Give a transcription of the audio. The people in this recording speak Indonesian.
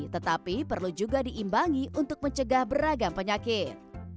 tetapi perlu juga diimbangi untuk mencegah beragam penyakit